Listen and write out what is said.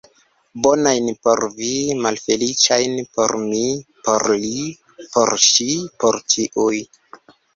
Bonajn por vi, malfeliĉajn por mi, por li, por ŝi, por ĉiuj!